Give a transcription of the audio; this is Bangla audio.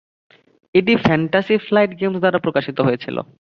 এটি ফ্যান্টাসি ফ্লাইট গেমস দ্বারা প্রকাশিত হয়েছিল।